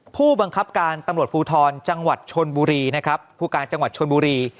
ผู้บังคับการตำรวจภูทรจังหวัดชนบุรีนะครับผู้การจังหวัดชนบุรี